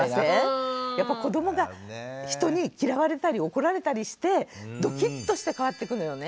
やっぱり子どもが人に嫌われたり怒られたりしてドキッとして変わってくのよね。